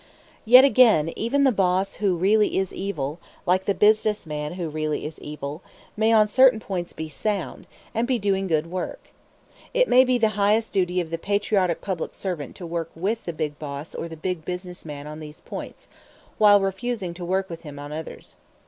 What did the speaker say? Yet again even the boss who really is evil, like the business man who really is evil, may on certain points be sound, and be doing good work. It may be the highest duty of the patriotic public servant to work with the big boss or the big business man on these points, while refusing to work with him on others.